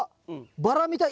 バラみたい。